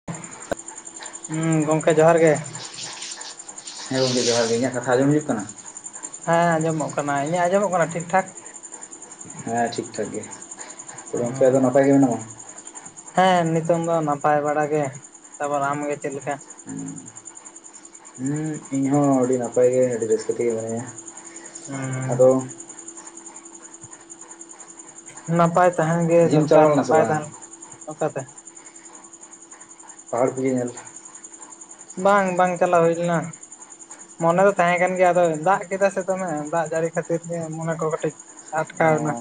[inaudible] ᱦᱩᱸ ᱜᱚᱝᱠᱮ ᱡᱚᱸᱦᱟᱨ ᱜᱮ᱾ ᱦᱮᱸ ᱜᱚᱝᱠᱮ ᱡᱚᱦᱟᱨ ᱜᱮ ᱤᱧᱟᱹᱜ ᱠᱟᱛᱷᱟ ᱟᱸᱡᱚᱢ ᱦᱤᱡᱩᱜ ᱠᱟᱱᱟ? ᱦᱮᱸ ᱟᱸᱡᱚᱢᱚᱜ ᱠᱟᱱᱟ᱾ ᱤᱧᱟᱹᱜ ᱟᱸᱡᱚᱢᱚᱜ ᱠᱟᱱᱟ ᱴᱷᱤᱠ ᱴᱷᱟᱠ? ᱦᱮᱸ ᱴᱷᱤᱠ ᱴᱷᱟᱠ ᱜᱮ᱾ ᱜᱚᱝᱠᱮ ᱟᱫᱚ ᱱᱟᱯᱟᱭ ᱜᱮ ᱢᱮᱱᱟᱢᱟ? ᱦᱮᱸ ᱱᱤᱛᱚᱝ ᱫᱚ ᱱᱟᱯᱟᱭ ᱵᱟᱲᱟ ᱜᱮ᱾ ᱛᱟᱯᱚᱨ ᱟᱢᱜᱮ ᱪᱮᱫ ᱞᱮᱠᱟ? [inaudible] ᱦᱩᱸ ᱤᱧᱦᱚᱸ ᱟᱹᱰᱤ ᱱᱟᱯᱟᱭ ᱜᱮ, ᱟᱹᱰᱤ ᱨᱟᱹᱥᱠᱟᱹ ᱛᱮᱜᱮ ᱢᱤᱱᱟᱹᱧᱟ᱾ ᱟᱫᱚ ᱱᱟᱯᱟᱭ ᱛᱟᱦᱮᱱ ᱜᱮ ᱤᱭᱟᱹᱢ ᱪᱟᱞᱟᱣ ᱫᱚᱨᱠᱟᱨ ᱞᱮᱱᱟ ᱥᱮ ᱱᱟᱯᱟᱭ ᱵᱟᱝ ᱛᱟᱦᱮᱱ᱾ ᱚᱠᱟᱛᱮ? ᱯᱟᱦᱟᱲ ᱯᱩᱡᱟᱹ ᱧᱮᱞ᱾ ᱵᱟᱝ ᱵᱟᱝ ᱪᱟᱞᱟᱣ ᱦᱩᱭ ᱞᱮᱱᱟ᱾ ᱢᱚᱱᱮ ᱫᱚ ᱛᱟᱦᱮᱸ ᱠᱟᱱ ᱜᱮᱭᱟ ᱟᱫᱚ ᱫᱟᱜ ᱠᱮᱫᱟ ᱥᱮ ᱫᱚᱢᱮ ᱫᱟᱜ ᱡᱟᱹᱲᱤ ᱠᱷᱟᱹᱛᱤᱨ ᱜᱮ ᱢᱚᱱᱮ ᱠᱚ ᱠᱟᱹᱴᱤᱡ ᱚ ᱟᱴᱠᱟᱣᱱᱟ᱾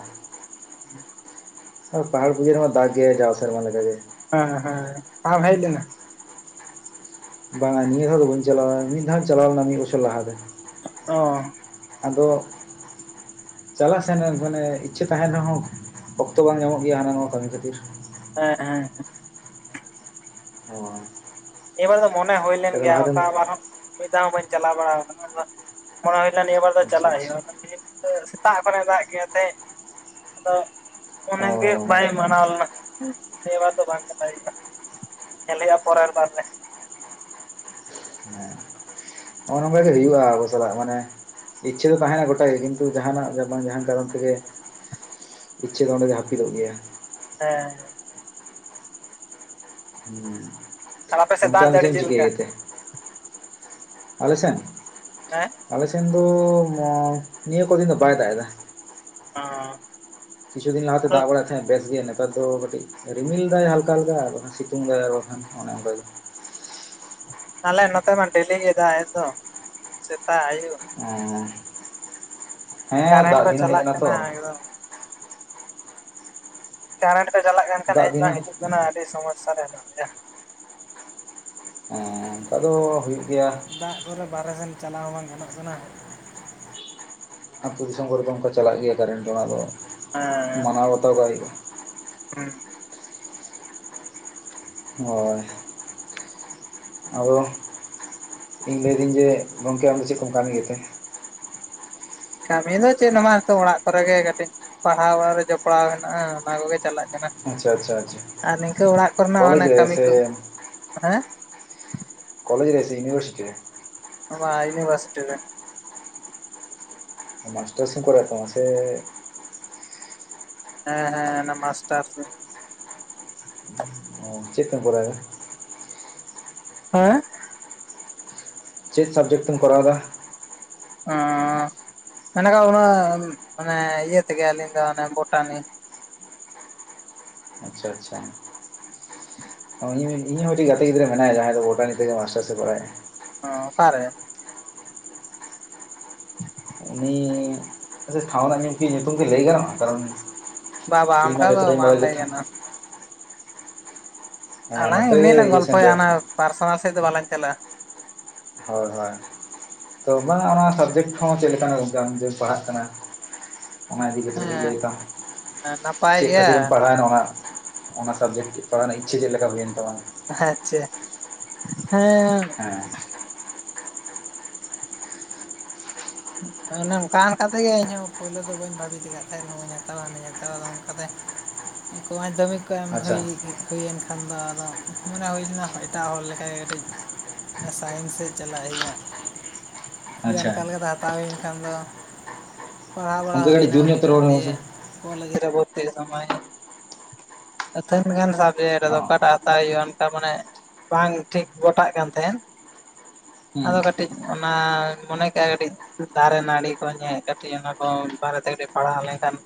ᱟᱨ ᱯᱟᱦᱟᱲ ᱯᱩᱡᱟᱹ ᱨᱮᱢᱟ ᱫᱟᱜ ᱜᱮᱭᱟᱭ ᱡᱟᱣ ᱥᱮᱨᱢᱟ ᱞᱮᱠᱟ ᱜᱮ᱾ ᱦᱮᱸ ᱦᱮᱸ ᱵᱟᱢ ᱦᱮᱡ ᱞᱮᱱᱟ? ᱵᱟᱝᱟ ᱱᱤᱭᱟᱹ ᱫᱷᱟᱣ ᱫᱚ ᱵᱟᱹᱧ ᱪᱟᱞᱟᱣ ᱢᱤᱫ ᱫᱷᱟᱣ ᱪᱟᱞᱟᱣ ᱞᱮᱱᱟ ᱢᱤᱫ ᱵᱚᱪᱷᱚᱨ ᱞᱟᱦᱟ ᱨᱮ᱾ ᱚᱸ᱾ ᱟᱫᱚ᱾ ᱪᱟᱞᱟᱜ ᱥᱮᱱ ᱢᱟᱱᱮ ᱤᱪᱪᱷᱟᱹ ᱛᱟᱦᱮᱱ ᱨᱮᱦᱚᱸ ᱚᱠᱛᱚ ᱵᱟᱝ ᱧᱟᱢᱚᱜ ᱜᱮᱭᱟ ᱦᱟᱱᱟ ᱱᱚᱣᱟ ᱠᱟᱹᱢᱤ ᱠᱷᱟᱹᱛᱤᱨ᱾ ᱦᱮᱸ ᱨᱦᱮᱸ ᱦᱮᱸ᱾ ᱚᱸ᱾ ᱱᱤᱭᱟᱹᱵᱟᱨ ᱫᱚ ᱢᱚᱱᱮ ᱦᱩᱭ ᱞᱮᱱ ᱜᱮᱭᱟ᱾ ᱚᱠᱟ ᱵᱟᱨ ᱦᱚᱸ ᱢᱤᱫ ᱫᱷᱟᱣ ᱦᱚᱸ ᱵᱟᱹᱧ ᱪᱟᱞᱟᱣ ᱵᱟᱲᱟ ᱟᱠᱟᱱᱟ᱾ ᱟᱫᱚ ᱢᱚᱱᱮ ᱦᱩᱭᱞᱮᱱᱟ ᱱᱤᱭᱟᱹᱵᱟᱨ ᱫᱚ ᱟᱪᱪᱷᱟ ᱪᱟᱞᱟᱜ ᱟᱪᱪᱷᱟ ᱦᱩᱭᱩᱜ-ᱟ᱾ ᱤᱱᱦᱤᱞᱟᱹᱜ ᱥᱮᱛᱟᱜ ᱠᱷᱚᱱᱮ ᱫᱟᱜ ᱜᱮᱭᱟ ᱛᱟᱦᱮᱸᱫ᱾ ᱟᱫᱚ ᱚ ᱢᱚᱱᱮ ᱜᱮ ᱵᱟᱭ ᱢᱟᱱᱟᱣ ᱞᱮᱱᱟ᱾ ᱱᱤᱭᱟ ᱵᱟᱨ ᱫᱚ ᱵᱟᱝ ᱪᱟᱞᱟᱣ ᱦᱳᱭᱩ-ᱟ᱾ ᱧᱮᱞ ᱦᱩᱭᱩᱜ-ᱟ ᱯᱚᱨᱮᱨ ᱵᱟᱨ ᱨᱮ᱾ ᱚᱱᱮ ᱚᱱᱠᱟ ᱜᱮ ᱦᱩᱭᱩᱜ-ᱟ ᱟᱵᱚ ᱥᱟᱞᱟᱜ᱾ ᱢᱟᱱᱮ ᱤᱪᱪᱷᱟᱹ ᱫᱚ ᱛᱟᱦᱮᱱᱟ ᱜᱚᱴᱟᱜᱮ ᱠᱤᱱᱛᱩ ᱡᱟᱦᱟ ᱴᱱᱟᱜ ᱜᱮ ᱵᱟᱝ ᱡᱟᱦᱟᱱ ᱠᱟᱨᱚᱱ ᱛᱮᱜᱮ ᱤᱪᱪᱷᱟᱹ ᱫᱚ ᱚᱸᱰᱮ ᱜᱮ ᱦᱟᱹᱯᱤᱫ ᱚᱜ ᱜᱮᱭᱟ᱾ ᱦᱮᱸ᱾ ᱟᱨ ᱟᱯᱮ ᱥᱮᱫ ᱦᱩᱸ᱾ ᱜᱚᱝᱠᱮ ᱫᱟᱜ ᱟᱢ ᱫᱚ ᱪᱮᱫ ᱡᱟᱹᱲᱤ ᱮᱢ ᱪᱤᱠᱟᱹᱭ ᱞᱮᱠᱟ ᱜᱮᱛᱮ? ᱟᱞᱮ ᱥᱮᱱ ᱦᱮᱸ ᱟᱞᱮ ᱥᱮᱱ ᱫᱚᱻ ᱚᱸ ᱱᱤᱭᱟᱹ ᱠᱚ ᱫᱤᱱ ᱫᱚ ᱵᱟᱭ ᱫᱟᱜ ᱮᱫᱟ। ᱟᱸᱻ ᱠᱤᱪᱷᱩ ᱫᱤᱱ ᱞᱟᱦᱟ ᱛᱮ ᱫᱟᱜ ᱵᱟᱲᱟᱭᱮᱜ ᱛᱟᱦᱮᱜ ᱵᱮᱥ ᱜᱮ ᱱᱮᱛᱟᱨ ᱫᱚ ᱠᱟᱹᱴᱤᱡ ᱨᱤᱢᱤᱞ ᱫᱟᱭ ᱦᱟᱞᱠᱟ ᱦᱟᱞᱠᱟ ᱟᱨ ᱥᱤᱛᱩᱝ ᱫᱟᱭ ᱟᱨ ᱵᱟᱠᱷᱟᱱ ᱚᱱᱮ ᱚᱱᱠᱟ ᱜᱮ। ᱟᱞᱮ ᱱᱚᱛᱮ ᱢᱟ ᱰᱮᱞᱤ ᱜᱮ ᱫᱟᱜ ᱮᱫ ᱫᱚ ᱥᱮᱛᱟᱜ ᱟᱭᱩᱵ। ᱚᱸᱻ ᱦᱮᱸ ᱠᱟᱨᱮᱱᱴ ᱫᱟᱜ ᱠᱚ ᱫᱤᱱ ᱦᱚᱸ ᱦᱮᱡ ᱪᱟᱞᱟᱜ ᱮᱱᱟ ᱠᱟᱱᱟ ᱛᱚ। ᱮᱠᱫᱚᱢ ᱠᱟᱨᱮᱱᱴ ᱠᱚ ᱪᱟᱞᱟᱜ ᱠᱟᱱ ᱠᱷᱟᱱ ᱫᱟᱜ ᱦᱮᱡ ᱫᱤᱱ ᱵᱟᱝ ᱦᱚᱸ ᱦᱤᱡᱩᱜ ᱠᱟᱱᱟ ᱟᱹᱰᱤ ᱥᱚᱢᱚᱥᱟ ᱨᱮ ᱦᱮᱱᱟᱜ ᱞᱮᱭᱟ। ᱦᱮᱸ ᱦᱮᱸ ᱚᱱᱠᱟ ᱫᱚ ᱦᱩᱭᱩᱜ ᱜᱮᱭᱟ। ᱫᱟᱜ ᱠᱚᱨᱮ ᱵᱟᱨᱦᱮ ᱥᱮᱱ ᱪᱟᱞᱟᱣ ᱦᱚᱸ ᱵᱟᱝ ᱜᱟᱱᱚᱜ ᱠᱟᱱᱟ। ᱟᱛᱳ ᱫᱤᱥᱚᱢ ᱠᱚᱨᱮ ᱫᱚ ᱚᱱᱠᱟ ᱪᱟᱞᱟᱜ ᱜᱮᱭᱟ ᱠᱟᱨᱮᱱᱴ ᱚᱱᱟ ᱫᱚ। ᱦᱮᱸ। ᱢᱟᱱᱟᱣ ᱵᱟᱛᱟᱣ ᱠᱟᱜ ᱦᱩᱭᱩᱜ-ᱟ ᱦᱩᱸ। ᱦᱳᱭ ᱟᱫᱚ ᱤᱧ ᱞᱟᱹᱭ ᱫᱟᱹᱧ ᱡᱮ ᱜᱚᱝᱠᱮ ᱟᱢᱫᱚ ᱪᱮᱫ ᱠᱚᱢ ᱠᱟᱹᱢᱤ ᱜᱮᱛᱮ? ᱠᱟᱹᱢᱤ ᱫᱚ ᱪᱮᱫ ᱦᱚᱸ ᱵᱟᱝ ᱱᱤᱛᱚᱜ ᱚᱲᱟᱜ ᱠᱚᱨᱮ ᱜᱮ ᱠᱟᱹᱴᱤᱡ ᱯᱟᱲᱦᱟᱣ ᱵᱟᱲᱟ ᱨᱮ ᱡᱚᱯᱲᱟᱣ ᱦᱮᱱᱟᱜ-ᱟ ᱚᱱᱟ ᱠᱚᱜᱮ ᱪᱟᱞᱟᱜ ᱠᱟᱱᱟ ᱟᱪᱪᱷᱟ ᱟᱪᱪᱷᱟ ᱟᱪᱪᱷᱟ ᱟᱨ ᱱᱤᱝᱠᱟᱹ ᱚᱲᱟᱜ ᱠᱚ ᱨᱮᱱᱟᱜ ᱢᱟᱱᱮ ᱠᱚᱞᱮᱡᱽ ᱨᱮ ᱠᱟᱹᱢᱤ ᱥᱮ ᱠᱚ ᱦᱮᱸ ᱠᱚᱞᱮᱡ ᱨᱮ ᱥᱮ ᱤᱭᱩᱱᱤᱵᱷᱟᱨᱥᱤᱴᱤ ᱨᱮ? ᱵᱟ ᱤᱭᱩᱱᱤᱵᱷᱟᱨᱥᱤᱴᱤ ᱨᱮ। ᱢᱟᱥᱴᱟᱨᱥ ᱮᱢ ᱠᱚᱨᱟᱣ ᱛᱟᱢᱟᱜ ᱥᱮᱻ ᱦᱮᱸ ᱦᱮᱸ ᱚᱱᱟ ᱢᱟᱥᱴᱟᱨᱥ ᱜᱮ। ᱚ ᱪᱮᱫ ᱠᱚᱢ ᱠᱚᱨᱟᱣ ᱫᱟ? ᱦᱮᱸ ᱪᱮᱫ ᱥᱟᱵᱡᱮᱠᱴ ᱛᱮᱢ ᱠᱚᱨᱟᱣ ᱮᱫᱟ? ᱚᱻ [unintelligible] ᱚᱱᱟᱻ ᱢᱟᱱᱮ ᱤᱭᱟᱹ ᱛᱮᱜᱮ ᱟᱹᱞᱤᱧ ᱫᱚ ᱚᱱᱮ ᱵᱳᱴᱟᱱᱤ। ᱟᱪᱪᱷᱟ ᱟᱪᱷᱟ। ᱚ ᱤᱧ ᱦᱚᱸ ᱤᱧ ᱦᱚᱸ ᱢᱤᱫᱴᱤᱡ ᱜᱟᱛᱮ ᱜᱤᱫᱽᱨᱟᱹ ᱢᱮᱱᱟᱭᱟ ᱡᱟᱦᱟᱸᱭ ᱫᱚ ᱵᱳᱴᱟᱱᱤ ᱛᱮᱜᱴ ᱢᱟᱥᱴᱟᱨᱥ ᱮ ᱠᱚᱨᱟᱶᱮᱜ-ᱟ। ᱚ ᱚᱠᱟ ᱨᱮ? ᱩᱱᱤᱻ ᱟᱪᱪᱷᱟ ᱴᱷᱟᱶ ᱨᱮᱱᱟᱜ ᱠᱤ ᱧᱩᱛᱩᱢ ᱠᱤ ᱞᱟᱹᱭ ᱜᱟᱱᱚᱜᱼᱟ ᱠᱟᱨᱚᱱ ᱵᱟ ᱵᱟ ᱤᱧ ᱚᱱᱠᱟ ᱢᱟ ᱫᱚ ᱡᱚᱛᱚᱴᱟᱧ ᱵᱟᱝ ᱵᱟᱲᱟᱭ ᱜᱮ ᱞᱟᱹᱭ ᱛᱟᱦᱮᱸᱫ ᱜᱟᱱᱚᱜᱼᱟ ᱦᱮᱸ ᱟᱞᱟᱝ ᱱᱚᱛᱮ ᱜᱮ ᱮᱢᱱᱤᱞᱟᱝ ᱤᱭᱟᱹ ᱥᱮᱱ ᱜᱚᱞᱯᱷᱚᱭᱟ ᱨᱮ ᱚᱱᱟ ᱯᱟᱨᱥᱚᱱᱟᱞ ᱥᱮᱫ ᱫᱚ ᱵᱟᱞᱟᱝ ᱪᱟᱞᱟᱜᱼᱟ। ᱦᱳᱭ ᱦᱳᱭ। ᱛᱚ ᱵᱟᱝ ᱚᱱᱟ ᱥᱟᱵᱡᱮᱠᱴ ᱦᱚᱸ ᱪᱮᱫ ᱞᱮᱠᱟᱱᱟᱜ ᱜᱚᱝᱠᱮ ᱟᱢ ᱡᱮᱢ ᱯᱟᱲᱦᱟᱜ ᱠᱟᱱᱟ? ᱚᱱᱟ ᱤᱫᱤ ᱠᱟᱛᱮᱜ ᱠᱟ. ᱴᱤᱡ ᱞᱟᱹᱭ ᱛᱟᱢ ᱦᱮᱸ ᱱᱟᱯᱟᱭ ᱪᱮᱫ ᱜᱮᱭᱟ ᱠᱷᱟᱹᱛᱤᱨᱮᱢ ᱯᱟᱲᱦᱟᱣᱱᱟ ᱚᱱᱟ? ᱚᱱᱟ ᱥᱟᱵᱡᱮᱠᱴ ᱯᱟᱲᱦᱟᱣ ᱨᱮᱱᱟᱜ ᱤᱪᱪᱷᱟᱹ ᱪᱮᱫ ᱞᱮᱠᱟ ᱦᱩᱭᱮᱱ ᱛᱟᱢᱟ? ᱟᱪᱪᱷᱟ ᱦᱮᱸᱻ ᱦᱮᱸ ᱚᱱᱮ ᱚᱱᱠᱟ ᱚᱱᱠᱟ ᱛᱮᱜᱮ ᱤᱧᱦᱚᱸ ᱯᱳᱭᱞᱳ ᱫᱚ ᱵᱟᱹᱧ ᱵᱷᱟᱵᱤᱛ ᱟᱠᱟᱫ ᱛᱟᱦᱮᱸᱼᱼ ᱦᱟᱛᱟᱣᱟ ᱦᱟᱱᱮᱧ ᱦᱟᱛᱟᱣᱟ ᱟᱫᱚ ᱚᱱᱠᱟᱛᱮ ᱮᱠᱞᱟ ᱢᱟᱫᱫᱷᱫᱢᱤᱠ ᱠᱚ ᱮᱢ ᱟᱪᱪᱷᱟ ᱦᱩᱭᱼᱼ ᱦᱩᱭᱮᱱ ᱠᱷᱟᱱ ᱫᱚ ᱟᱫᱚ ᱢᱚᱱᱮ ᱦᱩᱭ ᱞᱮᱱᱟ ᱮᱴᱟᱜ ᱦᱚᱲ ᱞᱮᱠᱟᱜᱮ ᱠᱟᱹᱴᱤᱡᱼᱼ ᱥᱟᱭᱮᱱᱥ ᱥᱮᱫ ᱪᱟᱞᱟᱜ ᱦᱩᱭᱩᱜᱼᱟ। ᱫᱤᱭᱮ ᱟᱪᱪᱷᱟ ᱚᱱᱠᱟ ᱞᱮᱠᱟᱛᱮ ᱦᱟᱛᱟᱣ ᱦᱩᱭᱮᱱ ᱠᱷᱟᱱ ᱫᱚᱼᱼ ᱯᱟᱲᱦᱟᱣ ᱵᱟᱲᱟ ᱜᱚᱝᱠᱮ ᱠᱟᱹᱴᱤᱡ ᱦᱩᱭᱱᱟ ᱡᱳᱨ ᱧᱚᱜ ᱛᱮ ᱦᱩᱭᱱᱟ ᱨᱚᱲ ᱢᱮ ᱫᱤᱭᱮ ᱢᱟᱥᱮ ᱠᱚᱞᱮᱡᱽ ᱨᱮ ᱵᱷᱚᱨᱛᱤᱜ ᱥᱚᱢᱚᱭᱼᱼ ᱟᱹᱛᱷᱟᱹᱱ ᱜᱟᱱ ᱥᱟᱵᱡᱮᱠᱴ ᱟᱫᱚ ᱦᱚᱸ ᱚᱠᱟᱴᱟᱜ ᱦᱟᱛᱟᱣ ᱦᱩᱭᱩᱜᱼᱟ ᱚᱱᱠᱟ ᱢᱟᱱᱮ ᱵᱟᱝ ᱴᱷᱤᱠ ᱜᱚᱴᱟᱜ ᱠᱟᱱ ᱛᱟᱦᱮᱸᱱ᱾ ᱦᱩᱸ ᱟᱫᱚ ᱠᱟᱹᱴᱤᱡ ᱚᱱᱟ ᱢᱚᱱᱮ ᱠᱮᱜᱼᱟ ᱠᱟᱹᱴᱤᱡ ᱫᱟᱨᱮ ᱱᱟᱹᱲᱤ ᱠᱚ ᱧᱮᱜ ᱠᱟᱹᱴᱤᱡ ᱚᱱᱟ ᱠᱚ ᱵᱟᱨᱮᱛᱮ ᱠᱟᱹᱴᱤᱡ ᱯᱟᱲᱦᱟᱣ ᱞᱮᱱᱠᱷᱟᱱ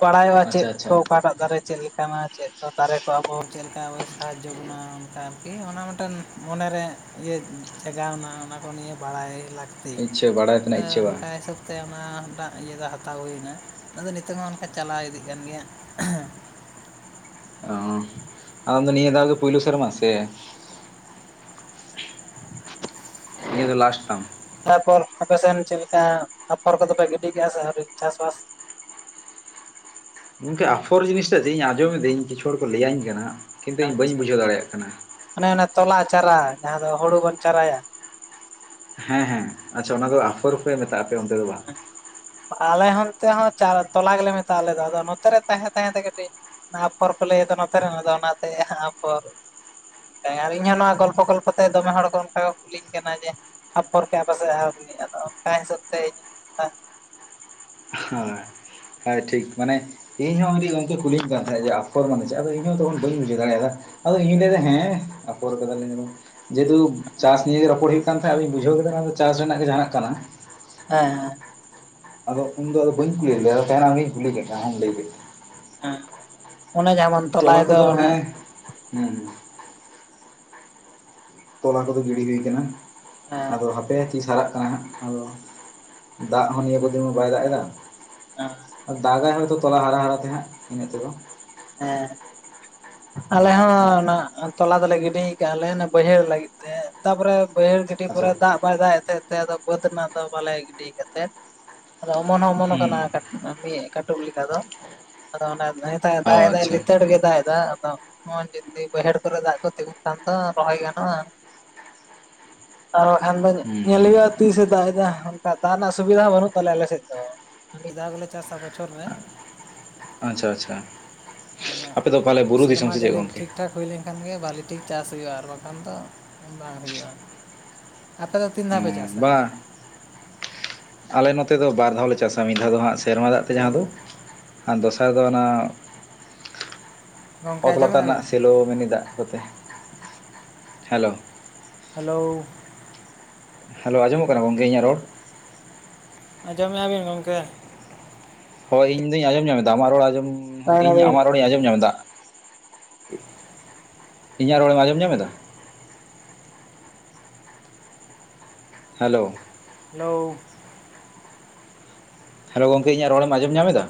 ᱵᱟᱲᱟᱭᱚᱜᱼᱟ ᱟᱪᱪᱷᱟ ᱪᱮᱫ ᱠᱚ ᱟᱪᱪᱷᱟ ᱚᱠᱟ ᱴᱟᱜ ᱫᱟᱨᱮ ᱪᱮᱫ ᱞᱮᱠᱟᱱᱟ, ᱪᱮᱫ ᱠᱚ ᱫᱟᱨᱮ ᱠᱚ ᱟᱵᱚ ᱪᱮᱫ ᱞᱮᱠᱟ ᱥᱵᱚᱭ ᱥᱟᱦᱟᱡᱽᱡᱚ ᱵᱚᱱᱟ ᱚᱱᱠᱟ᱾ ᱠᱤ ᱚᱱᱟ ᱢᱤᱫᱴᱮᱱ ᱢᱚᱱᱮᱨᱮ ᱤᱭᱟᱹ ᱡᱟᱜᱟᱣᱱᱟ ᱚᱱᱟ ᱠᱚ ᱱᱤᱭᱟᱹᱮ ᱵᱟᱲᱟᱭ ᱞᱟᱹᱠᱛᱤ᱾ ᱤᱪᱪᱷᱟᱹ ᱵᱟᱲᱟᱭ ᱛᱮᱱᱟᱜ ᱤᱪᱪᱷᱟᱹ ᱵᱟᱝ᱾ ᱚᱱᱠᱟ ᱦᱤᱥᱟᱹᱵ ᱛᱮ ᱚᱱᱟ ᱴᱟᱜ ᱤᱭᱟᱹ ᱫᱚ ᱦᱟᱛᱟᱣ ᱦᱩᱭᱱᱟ᱾ ᱟᱫᱚ ᱱᱤᱛᱚᱝ ᱦᱚᱸ ᱚᱱᱠᱟ ᱪᱟᱞᱟᱣ ᱤᱫᱤᱜ ᱠᱟᱱ ᱜᱮᱭᱟ᱾ ᱦᱮᱸ᱾ ᱟᱢ ᱫᱚ ᱱᱤᱭᱟᱹ ᱫᱷᱟᱣ ᱜᱮ ᱯᱩᱭᱞᱩ ᱥᱮᱨᱢᱟ ᱥᱮ ᱱᱤᱭᱟᱹ ᱫᱚ ᱞᱟᱥᱴ ᱛᱟᱢ᱾ ᱛᱟᱨᱯᱚᱨ ᱟᱯᱮᱥᱱ ᱪᱮᱫ ᱞᱮᱠᱟ ᱟᱯᱷᱚᱨ ᱠᱚᱫᱚᱯᱮ ᱜᱤᱰᱤ ᱠᱮᱜᱼᱟ ᱥᱮ ᱟᱣᱨᱤ ᱪᱟᱥ ᱵᱟᱥ? ᱜᱚᱝᱠᱮ ᱟᱯᱷᱚᱨ ᱡᱤᱱᱤᱥᱴᱟᱜ ᱪᱮᱫ ᱤᱧ ᱟᱸᱡᱚᱢᱮᱫᱟᱹᱧ ᱠᱤᱪᱷᱩ ᱦᱚᱲ ᱠᱚ ᱞᱟᱹᱭᱟᱹᱧ ᱠᱟᱱᱟ, ᱠᱤᱱᱛᱩ ᱤᱧ ᱵᱟᱹᱧ ᱟᱪᱪᱷᱟ ᱵᱩᱡᱷᱟᱹᱣ ᱫᱟᱲᱮᱭᱟᱜ ᱠᱟᱱᱟ᱾ ᱚᱱᱮ ᱚᱱᱟ ᱛᱚᱞᱟ ᱪᱟᱨᱟ ᱡᱟᱦᱟᱸ ᱫᱚ ᱦᱩᱲᱩ ᱵᱚᱱ ᱪᱟᱨᱟᱭᱟ᱾ ᱦᱮᱸ ᱦᱮᱸ ᱟᱪᱪᱷᱟ ᱚᱱᱟ ᱫᱚ ᱟᱯᱷᱚᱨ ᱯᱮ ᱢᱮᱛᱜᱟᱜᱼᱟ ᱟᱯᱮ ᱚᱱᱛᱮ ᱫᱚ ᱵᱟᱝ᱾ ᱟᱞᱮ ᱦᱟᱱᱛᱮ ᱦᱚᱸ ᱪᱟᱨ ᱛᱚᱞᱟ ᱜᱮᱞᱮ ᱢᱮᱛᱟᱜᱼᱟ ᱟᱞᱮ ᱫᱚ ᱟᱫᱚ ᱱᱚᱛᱮ ᱨᱮ ᱛᱟᱦᱮᱸ ᱛᱟᱦᱮᱸ ᱛᱮ ᱠᱟᱹᱴᱤᱡ ᱚᱱᱟ ᱯᱷᱚᱨ ᱠᱚ ᱞᱟᱹᱭᱟ ᱛᱚ ᱱᱚᱛᱮᱨᱮᱱ ᱟᱫᱚ ᱚᱱᱟᱛᱮ ᱟᱯᱷᱚᱨ ᱟᱨ ᱤᱧᱦᱚᱸ ᱱᱚᱣᱟ ᱜᱚᱞᱯᱷᱚ ᱜᱚᱞᱯᱷᱚ ᱛᱮ ᱫᱚᱢᱮ ᱦᱚᱲ ᱠᱚ ᱚᱱᱠᱟ ᱠᱚ ᱠᱩᱞᱤᱧ ᱠᱟᱱᱟ ᱡᱮ ᱟᱯᱷᱚᱨ ᱠᱮᱜᱼᱟ ᱯᱮ ᱥᱮ ᱟᱣᱨᱤ ᱟᱫᱚ ᱚᱱᱠᱟ ᱦᱤᱥᱟᱹᱵ ᱛᱮ ᱤᱧ [inaudible] ᱟ ᱴᱷᱤᱠ᱾ ᱢᱟᱱᱮ ᱤᱧᱦᱚᱸ ᱢᱤᱫᱴᱤᱡ ᱜᱚᱢᱠᱮ ᱠᱩᱞᱤᱧ ᱠᱟᱱ ᱛᱟᱦᱮᱸᱫ ᱡᱮ ᱟᱯᱷᱚᱨ ᱢᱟᱱᱮ ᱪᱮᱫ᱾ ᱟᱫᱚ ᱤᱧ ᱦᱚᱸ ᱛᱚᱠᱷᱚᱱ ᱵᱟᱹᱧ ᱵᱩᱡᱷᱟᱹᱣ ᱫᱟᱲᱮᱭᱟᱫᱟ᱾ ᱟᱫᱚ ᱤᱧ ᱦᱚᱤᱧ ᱞᱟᱹᱭᱫᱟ ᱦᱮᱸ ᱟᱯᱷᱚᱨ ᱠᱟᱫᱟᱞᱤᱧ ᱟᱹᱞᱤᱧ᱾ ᱡᱮᱦᱮᱛᱩ ᱪᱟᱥ ᱱᱤᱭᱟᱹᱜᱮ ᱨᱚᱯᱚᱲ ᱦᱩᱭᱩᱜ ᱠᱟᱱ ᱛᱟᱦᱮᱸᱜ ᱟᱫᱚᱧ ᱵᱩᱡᱷᱟᱹᱣ ᱠᱮᱫᱟ ᱱᱟᱣᱟ ᱫᱚ ᱪᱟᱥ ᱨᱮᱱᱟᱜ ᱜᱮ ᱡᱟᱦᱟᱱᱟᱜ ᱠᱟᱱᱟ᱾ ᱦᱮᱸ ᱦᱮᱸ᱾ ᱟᱫᱚ ᱩᱱᱫᱚ ᱟᱫᱚ ᱵᱟᱹᱧ ᱠᱩᱞᱤ ᱞᱮᱫᱮᱭᱟ ᱟᱫᱚ ᱛᱮᱦᱮᱱ ᱟᱢᱜᱮᱧ ᱠᱩᱞᱤ ᱠᱮᱫ ᱠᱚᱣᱟ ᱟᱢᱮᱢ ᱞᱟᱹᱭ ᱠᱮᱫ᱾ ᱦᱮᱸ᱾ ᱚᱱᱮ ᱡᱟᱦᱟᱸ ᱵᱚᱱ ᱛᱚᱞᱟ ᱛᱚᱞᱟᱭ ᱫᱚ ᱠᱚᱫᱚ ᱚᱱᱮ ᱦᱮᱸ ᱦᱩᱸ ᱦᱩᱸ᱾ ᱛᱚᱞᱟ ᱠᱚᱫᱚ ᱜᱤᱰᱤ ᱦᱩᱭ ᱠᱟᱱᱟ ᱦᱮᱸ ᱟᱫᱚ ᱦᱟᱯᱮ ᱛᱤᱥ ᱦᱟᱨᱟᱜ ᱠᱟᱱᱟ ᱦᱟᱸᱜ᱾ ᱟᱫᱚ ᱫᱟᱜ ᱦᱚᱸ ᱱᱤᱭᱟᱹ ᱵᱟᱨ ᱫᱚ ᱡᱮᱢᱚᱱ ᱵᱟᱭ ᱫᱟᱜ ᱮᱫᱟ᱾ ᱦᱮᱸ ᱟᱫᱚ ᱫᱟᱜᱟᱭ ᱦᱚᱭᱛᱳ᱾ ᱛᱚᱞᱟ ᱦᱟᱨᱟ ᱦᱟᱨᱟ ᱛᱮ ᱦᱟᱸᱜ, ᱤᱱᱟᱹᱜ ᱛᱮᱫᱚ᱾ ᱦᱮᱸ᱾ ᱟᱞᱮ ᱦᱳᱭ ᱦᱚᱸ ᱱᱟᱜ ᱛᱚᱞᱟ ᱫᱚᱞᱮ ᱜᱤᱰᱤᱭ ᱟᱠᱟᱫᱼᱟ ᱞᱮ ᱚᱱᱟ ᱵᱟᱹᱭᱦᱟᱹᱲ ᱞᱟᱹᱜᱤᱫ ᱛᱮ, ᱛᱟᱯᱚᱨᱮ ᱵᱟᱹᱭᱦᱟᱹᱲ ᱜᱤᱰᱤ ᱟᱪᱪᱷᱟ ᱯᱚᱨᱮ ᱫᱟᱜ ᱵᱟᱭ ᱫᱟᱜ ᱮᱫ ᱛᱟᱦᱮᱸ ᱛᱮ ᱟᱫᱚ ᱵᱟᱹᱫᱽ ᱮᱱᱟ ᱫᱚ ᱵᱟᱞᱮ ᱜᱤᱰᱤᱭ ᱠᱟᱛᱮᱫ ᱟᱫᱚ ᱚᱢᱚᱱ ᱦᱚᱸ ᱚᱢᱚᱱᱚ ᱦᱩᱸ ᱠᱟᱱᱟ ᱠᱟᱹᱴ ᱢᱤᱜ ᱠᱟᱹᱴᱩᱵ ᱞᱮᱠᱟᱫᱚ᱾ ᱟᱫᱚ ᱚᱱᱟ ᱱᱤᱛ ᱦᱚᱸᱭᱮ ᱚ ᱫᱟᱜ ᱮᱫᱟ ᱟᱪᱪᱷᱟ ᱞᱮᱛᱟᱲ ᱜᱮᱭ ᱫᱟᱜ ᱮᱫᱟ᱾ ᱟᱫᱚ ᱱᱚᱣᱟ ᱡᱩᱫᱤ ᱵᱟᱹᱭᱦᱟᱹᱲ ᱠᱚᱨᱮ ᱫᱟᱜ ᱠᱚ ᱛᱤᱸᱜᱩᱱ ᱠᱷᱟᱱ ᱫᱚ ᱨᱚᱦᱚᱭ ᱜᱟᱱᱚᱜᱼᱟ ᱾ ᱟᱨ ᱵᱟᱠᱷᱟᱱ ᱫᱚ ᱧᱮᱞ ᱦᱩᱸ ᱦᱩᱭᱩᱜᱼᱟ᱾ ᱛᱤᱥᱮ ᱫᱟᱜ ᱮᱫᱟ? ᱚᱱᱠᱟ ᱫᱟᱜ ᱨᱮᱱᱟᱜ ᱥᱩᱵᱤᱫᱷᱟ ᱦᱚᱸ ᱵᱟᱹᱱᱩᱜ ᱛᱟᱞᱮᱭᱟ ᱟᱞᱮ ᱥᱮᱫ ᱫᱚ ᱾ ᱢᱤᱫ ᱫᱷᱟᱣ ᱜᱮᱞᱮ ᱪᱟᱥᱟ ᱵᱚᱪᱷᱚᱨ ᱨᱮ᱾ ᱟᱪᱪᱷᱟ ᱟᱪᱪᱷᱟ᱾ ᱟᱫᱚ ᱟᱯᱮ ᱫᱚ ᱯᱟᱞᱮ ᱵᱩᱨᱩ ᱫᱤᱥᱚᱢ ᱥᱮ ᱪᱮᱫ ᱜᱚᱝᱠᱮ? ᱠᱷᱟᱱ ᱜᱮ ᱵᱷᱟᱹᱞᱤ ᱴᱷᱤᱠ ᱪᱟᱥ ᱦᱩᱭᱩᱜᱼᱟ ᱟᱨ ᱵᱟᱠᱷᱟᱱ ᱫᱚ ᱵᱟᱝ ᱦᱩᱭᱩᱜᱼᱟ᱾ ᱟᱯᱮ ᱫᱚ ᱛᱤᱱ ᱫᱷᱟᱹᱣ ᱯᱮ ᱦᱮᱸ ᱪᱟᱥᱟ? ᱵᱟᱝ ᱟᱞᱮ ᱱᱚᱛᱮ ᱫᱚ ᱵᱟᱨ ᱫᱷᱟᱹᱣ ᱞᱮ ᱪᱟᱥᱟ ᱢᱤᱫ ᱫᱷᱟᱹᱣ ᱫᱚ ᱦᱟᱸᱜ ᱥᱮᱨᱢᱟ ᱫᱟᱜ ᱛᱮ, ᱦᱮᱞᱳ ᱡᱟᱦᱟᱸ ᱫᱚ᱾ ᱟᱨ ᱫᱚᱥᱟᱨ ᱫᱚ ᱚᱱᱟ ᱜᱚᱝᱠᱮ ᱚᱛ ᱞᱟᱛᱟᱨ ᱟᱸᱡᱚᱢᱮᱫᱼᱟ ᱨᱮᱱᱟᱜ ᱵᱤᱱ ᱥᱮᱞᱳ ᱢᱤᱱᱤ ᱫᱟᱜ ᱠᱚᱛᱮ᱾ ᱦᱮᱞᱳ᱾ ᱦᱮᱞᱳ? ᱦᱮᱞᱳ, ᱟᱸᱡᱚᱢᱚ-ᱜ ᱠᱟᱱᱟ᱾ ᱜᱚᱝᱠᱮ ᱤᱧᱟᱹᱜ ᱨᱚᱲ? ᱟᱸᱡᱚᱢᱮᱜᱼᱟ ᱵᱤᱱ ᱜᱚᱝᱠᱮ? ᱦᱳᱭ, ᱤᱧᱫᱩᱧ ᱟᱸᱡᱚᱢ ᱧᱟᱢᱮᱫᱟ ᱾ ᱟᱢᱟᱜ ᱨᱚᱲ ᱟᱸᱡᱚᱢ ᱦᱮᱞᱳ ᱤᱧ ᱟᱢᱟᱜ ᱨᱚᱲᱤᱧ ᱟᱸᱡᱚᱢ ᱧᱟᱢᱫᱟ ᱾ ᱤᱧᱟᱹᱜ ᱨᱚᱲᱮᱢ, ᱟᱸᱡᱚᱢ ᱧᱟᱢᱮᱫᱟ? ᱦᱮᱞᱳ? ᱦᱮᱞᱳ! ᱦᱮᱞᱳ, ᱜᱚᱝᱠᱮ ᱤᱧᱼᱟᱹᱜ ᱨᱚᱲᱮᱢ ᱟᱸᱡᱚᱢ ᱧᱟᱢᱮᱫᱟ?